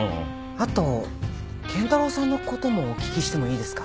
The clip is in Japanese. あと賢太郎さんの事もお聞きしてもいいですか？